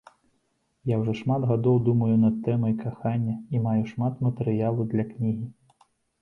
Я ўжо шмат гадоў думаю над тэмай кахання і маю шмат матэрыялу для кнігі.